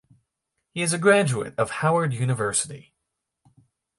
He is a graduate of Howard University.